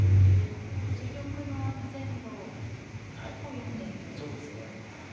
ここは自玉の安全度を読んでいるところですね。